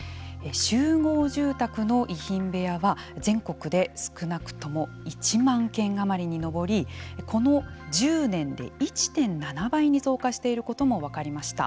集合住宅の遺品部屋は全国で少なくとも１万件余りに上りこの１０年で１．７倍に増加していることも分かりました。